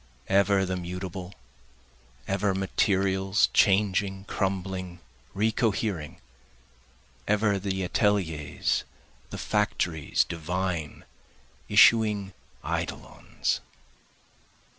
Ever the mutable, Ever materials, changing, crumbling, re cohering, Ever the ateliers, the factories divine, Issuing eidolons.